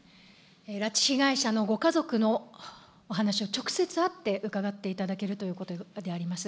拉致被害者のご家族のお話を直接会って伺っていただけるということであります。